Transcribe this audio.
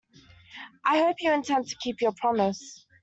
I hope you intend to keep your promise.